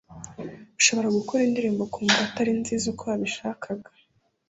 ”Ushobora gukora indirimbo ukumva atari nziza uko wabishakaga